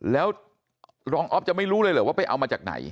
แล้วรองอ๊อฟจะไม่รู้เลยเหรอว่าไปเอามาจากไหน